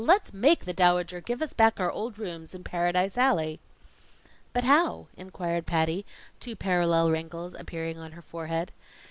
"Let's make the Dowager give us back our old rooms in Paradise Alley." "But how?" inquired Patty, two parallel wrinkles appearing on her forehead.